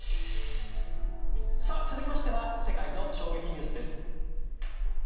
続いては世界の衝撃ニュースです。